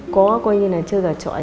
có coi như là chơi gà trọi